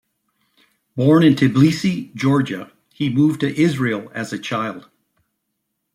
Born in Tbilisi, Georgia, he moved to Israel as a child.